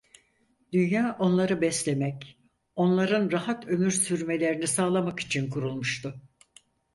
Dünya onları beslemek, onların rahat ömür sürmelerini sağlamak için kurulmuştu.